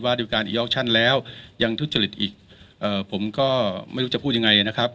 ดูการอีออกชั่นแล้วยังทุจริตอีกเอ่อผมก็ไม่รู้จะพูดยังไงนะครับ